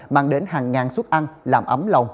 mang đến hàng ngàn suất ăn làm ấm lòng